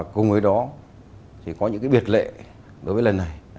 cùng với đó thì có những biệt lệ đối với lần này